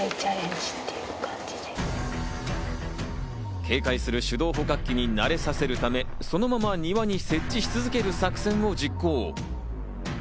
警戒する手動捕獲器に慣れさせるため、そのまま庭に設置し続ける作戦を実行。